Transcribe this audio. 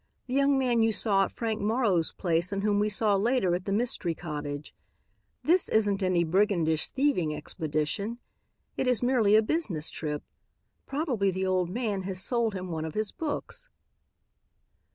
the young man you saw at Frank Morrow's place and whom we saw later at the mystery cottage. This isn't any brigandish thieving expedition. It is merely a business trip. Probably the old man has sold him one of his books."